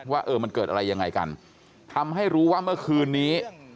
ว่าเออมันเกิดอะไรยังไงกันทำให้รู้ว่าเมื่อคืนนี้